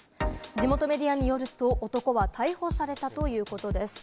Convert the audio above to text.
地元メディアによると、男は逮捕されたということです。